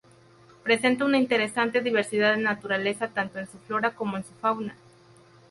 Presenta una interesante diversidad de naturaleza, tanto en su flora como en su fauna.